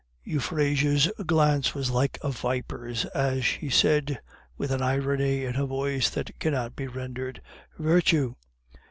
Euphrasia's glance was like a viper's, as she said, with an irony in her voice that cannot be rendered: "Virtue!